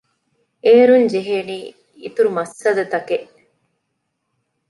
އޭރުން ޖެހޭނީ އިތުރު މައްސަލަތަކެއް